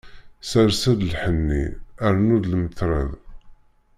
Sers-d lḥenni, rnu-d lmetred.